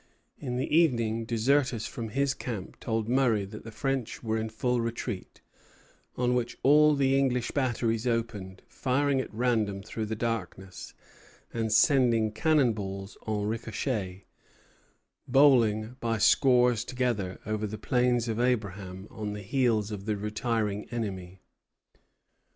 In the evening deserters from his camp told Murray that the French were in full retreat; on which all the English batteries opened, firing at random through the darkness, and sending cannon balls en ricochet, bowling by scores together, over the Plains of Abraham on the heels of the retiring enemy.